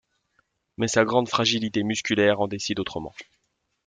Mais sa grande fragilité musculaire en décide autrement.